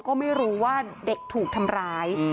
ก็ไม่รู้ว่าเด็กถูกทำร้าย